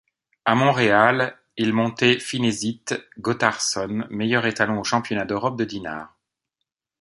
À Montréal, il montait Finesit, Gothardson meilleur étalon au championnat d'Europe de Dinard.